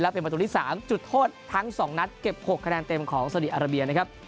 เป็นประตูที่๓จุดโทษทั้ง๒นัดเก็บ๖คะแนนเต็มของสดีอาราเบียนะครับ